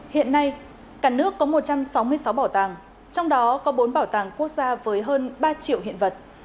hiện nay cả nước có một trăm sáu mươi sáu bảo tàng trong đó có bốn bảo tàng quốc gia với hơn ba triệu hiện vật